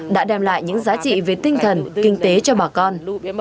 đã đem lại những giá trị về tinh thần kinh tế cho bà con